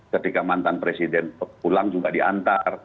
ketika mantan presiden pulang juga diantar